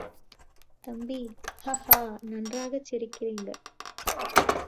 தம்பி!.... ஹஹ்ஹா! நன்றாகச் சிரிக்கிறீங்க!